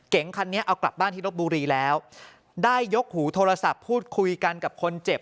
คันนี้เอากลับบ้านที่รบบุรีแล้วได้ยกหูโทรศัพท์พูดคุยกันกับคนเจ็บ